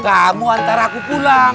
kamu antar aku pulang